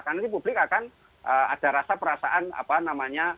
karena ini publik akan ada rasa perasaan apa namanya